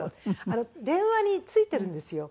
電話に付いてるんですよ。